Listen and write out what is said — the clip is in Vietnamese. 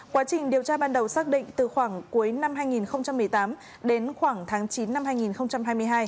quá trình điều tra ban đầu xác định từ khoảng cuối năm hai nghìn một mươi tám đến khoảng tháng chín năm hai nghìn hai mươi hai